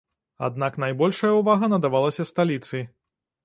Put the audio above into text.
Аднак найбольшая ўвага надавалася сталіцы.